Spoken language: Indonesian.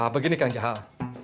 begini kang jahal